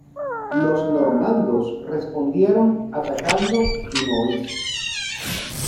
Los normandos respondieron atacando Dunois.